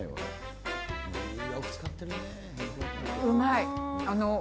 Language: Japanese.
うまい。